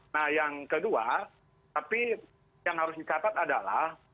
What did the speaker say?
nah yang kedua tapi yang harus dicatat adalah